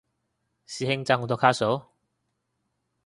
師兄爭好多卡數？